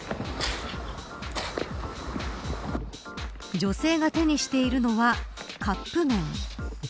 女性が手にしているのはカップ麺。